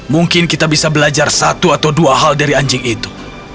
mungkin kita bisa belajar satu atau dua hal dari anjing itu